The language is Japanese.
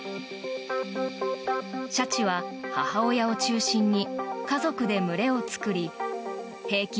シャチは母親を中心に家族で群れを作り平均